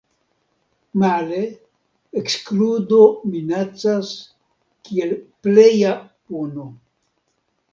Male, ekskludo minacas kiel pleja puno.